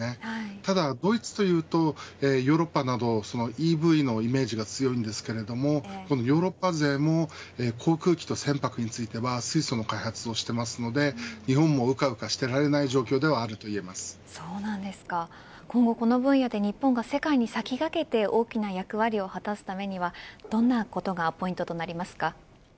ただ、ドイツというとヨーロッパなどＥＶのイメージが強いですがヨーロッパ勢も航空機と船舶については水素の開発をしていますので日本もうかうかしていられない今後、この分野で日本が世界に先駆けて大きな役割を果たすためにはどんなことがポイントとなりますか。